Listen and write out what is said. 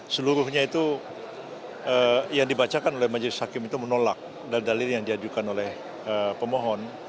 seluruhnya itu yang dibacakan oleh majelis hakim itu menolak dalil dalil yang diajukan oleh pemohon